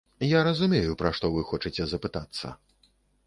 Я разумею, пра што вы хочаце запытацца.